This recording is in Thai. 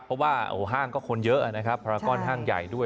เพราะว่าห้างก็คนเยอะนะครับภารกรห้างใหญ่ด้วย